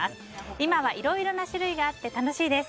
今はいろいろな種類があって楽しいです。